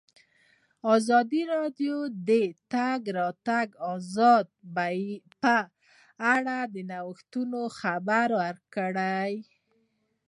ازادي راډیو د د تګ راتګ ازادي په اړه د نوښتونو خبر ورکړی.